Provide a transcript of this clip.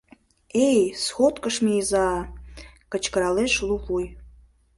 — Эй, сходкыш мийыза-а! — кычкыралеш лувуй.